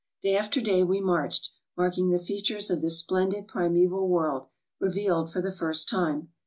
Day after day we marched, marking the features of this splendid primeval world, revealed for the first time.